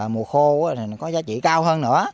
mùa khô thì nó có giá trị cao hơn nữa